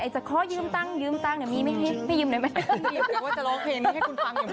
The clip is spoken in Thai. จะขอยืมตังค์ยืมตังค์เดี๋ยวมีไม่ให้ไม่ยืมหน่อยไม่ตังค์